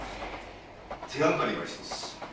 手がかりは一つ。